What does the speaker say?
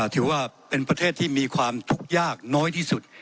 ถือว่าเป็นประเทศที่มีความทุกข์ยากน้อยที่สุด